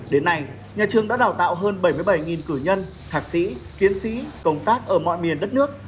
đến nay nhà trường đã đào tạo hơn bảy mươi bảy cử nhân thạc sĩ tiến sĩ công tác ở mọi miền đất nước